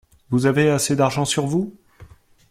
Vous avez assez d’argent sur vous ?